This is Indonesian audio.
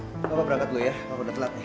mama apa berangkat dulu ya aku udah telat nih